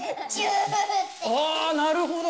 あなるほど。